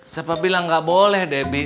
siapa bilang gak boleh debbie